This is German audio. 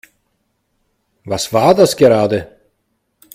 Was war das gerade?